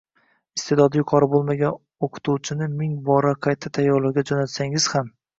iste’dodi yuqori bo‘lmagan o‘qituvchini ming bor qayta tayyorlovga jo‘natsangiz ham